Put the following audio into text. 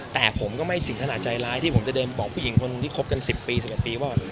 แต่ผมก็ไม่ถึงขนาดใจร้ายที่ผมจะเดินบอกผู้หญิงคนที่คบกัน๑๐ปี๑๑ปีว่า